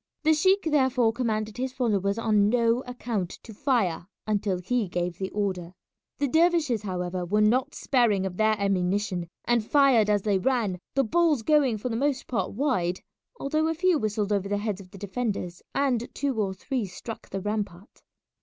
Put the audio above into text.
The sheik therefore commanded his followers on no account to fire until he gave the order. The dervishes, however, were not sparing of their ammunition, and fired as they ran, the balls going for the most part wide, although a few whistled over the heads of the defenders and two or three struck the rampart.